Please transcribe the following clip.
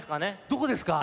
どこですか？